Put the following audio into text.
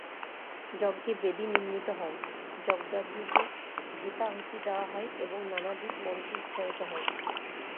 যজ্ঞে বেদী নির্মিত হয়, যজ্ঞাগ্নিতে ঘৃতাহুতি দেওয়া হয় এবং নানাবিধ মন্ত্র উচ্চারিত হয়।